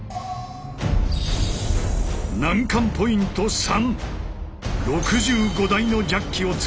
難関ポイント３。